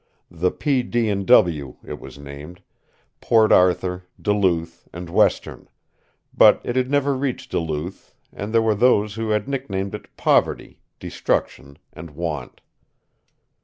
The P. D. & W. it was named Port Arthur, Duluth & Western; but it had never reached Duluth, and there were those who had nicknamed it Poverty, Destruction & Want.